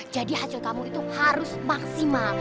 jadi hasil kamu itu harus maksimal